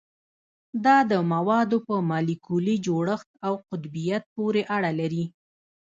دا د موادو په مالیکولي جوړښت او قطبیت پورې اړه لري